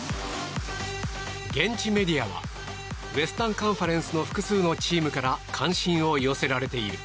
現地メディアはウエスタン・カンファレンスの複数のチームから関心を寄せられている。